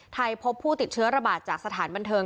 พบผู้ติดเชื้อระบาดจากสถานบันเทิง